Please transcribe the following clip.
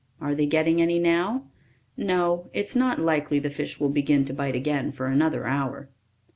Are they getting any now?" "No. It's not likely the fish will begin to bite again for another hour."